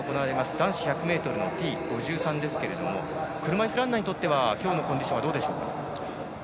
男子１００ｍのＴ５３ですが車いすランナーにとっては今日のコンディションはどうでしょうか。